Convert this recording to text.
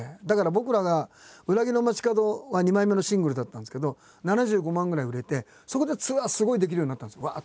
だから僕らが「裏切りの街角」が２枚目のシングルだったんですけど７５万ぐらい売れてそこでツアーすごいできるようになったんですよ